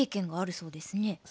そうですね。